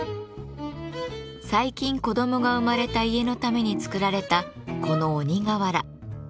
最近子どもが生まれた家のために作られたこの鬼瓦。